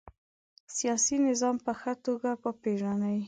سیاسي نظام په ښه توګه وپيژنئ.